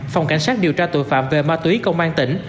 phòng cảnh sát điều tra tội phạm về ma túy công an tỉnh